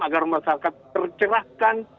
agar masyarakat tercerahkan